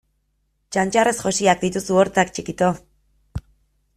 Txantxarrez josia dituzu hortzak txikito!